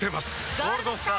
「ゴールドスター」！